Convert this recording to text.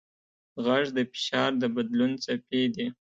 غږ د فشار د بدلون څپې دي.